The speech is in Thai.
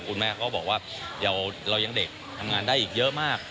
คุณแม่ก็บอกว่าเรายังเด็กทำงานได้อีกเยอะมาก